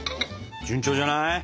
順調じゃない？